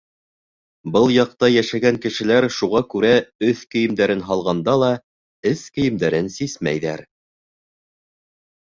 Был яҡта йәшәгән кешеләр шуға күрә өҫ кейемдәрен һалғанда ла, эс кейемдәрен сисмәйҙәр.